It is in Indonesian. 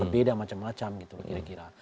beda macam macam gitu kira kira